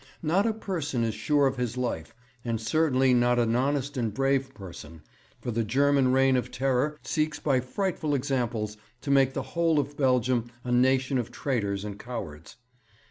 Not a person is sure of his life, and certainly not an honest and brave person, for the German reign of terror seeks by frightful examples to make the whole of Belgium a nation of traitors and cowards.